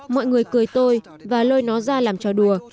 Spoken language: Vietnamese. mọi người cười tôi và lôi nó ra làm trò đùa